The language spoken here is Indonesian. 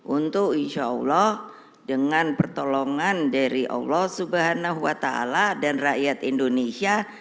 untuk insya allah dengan pertolongan dari allah swt dan rakyat indonesia